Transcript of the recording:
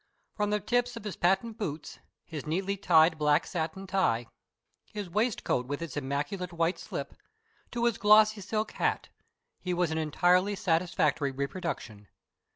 From the tips of his patent boots, his neatly tied black satin tie, his waistcoat with its immaculate white slip, to his glossy silk hat, he was an entirely satisfactory reproduction.